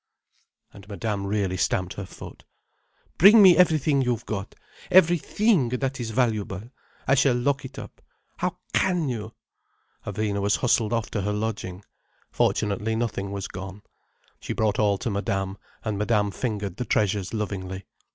And Madame really stamped her foot. "Bring me everything you've got—every thing that is valuable. I shall lock it up. How can you—" Alvina was hustled off to her lodging. Fortunately nothing was gone. She brought all to Madame, and Madame fingered the treasures lovingly.